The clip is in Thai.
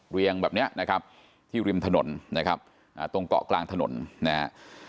เรียงแบบเนี้ยนะครับที่ริมถนนนะครับตรงเกาะกลางถนนนะฮะ